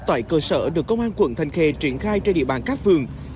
tại cơ sở được công an quận thanh khề triển khai trên địa bàn các phương